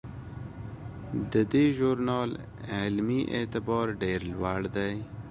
د دې ژورنال علمي اعتبار ډیر لوړ دی.